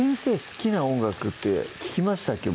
好きな音楽って聞きましたっけ？